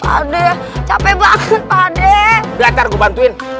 pade capek banget pade datang ke bantuin